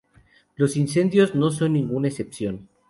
Los incendios no son ninguna excepción.